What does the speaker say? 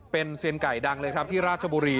เป็นเซียนไก่ดังเลยครับที่ราชบุรี